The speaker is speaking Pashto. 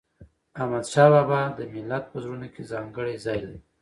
احمدشاه بابا د ملت په زړونو کې ځانګړی ځای لري.